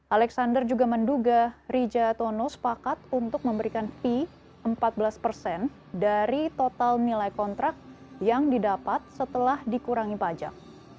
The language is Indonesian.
alexander juga menduga rija tono sepakat untuk memberikan fee empat belas persen dari total nilai kontrak yang didapat setelah dikurangi pajak